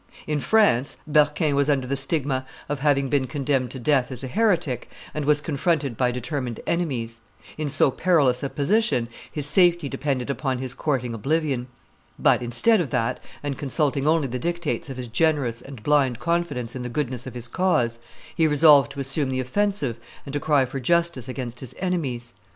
In France, Berquin was under the stigma of having been condemned to death as a heretic, and was confronted by determined enemies. In so perilous a position his safety depended upon his courting oblivion. But instead of that, and consulting only the dictates of his generous and blind confidence in the goodness of his cause, he resolved to assume the offensive and to cry for justice against his enemies.